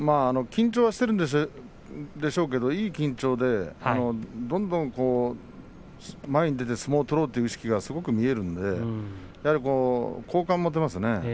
緊張はしているんでしょうけれどいい緊張でどんどん前に出て相撲を取ろうという意識がすごく見えるので好感が持てますね。